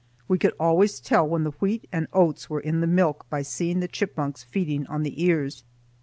We could always tell when the wheat and oats were in the milk by seeing the chipmunks feeding on the ears.